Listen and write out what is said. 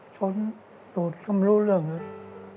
ชนตูดเข้ามารู้เรื่องนี้